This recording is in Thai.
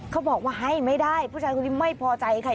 เขาบอกว่าให้ไม่ได้ผู้ชายคนนี้ไม่พอใจค่ะ